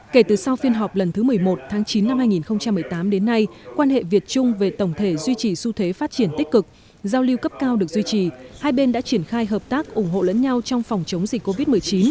kể từ sau phiên họp lần thứ một mươi một tháng chín năm hai nghìn một mươi tám đến nay quan hệ việt trung về tổng thể duy trì xu thế phát triển tích cực giao lưu cấp cao được duy trì hai bên đã triển khai hợp tác ủng hộ lẫn nhau trong phòng chống dịch covid một mươi chín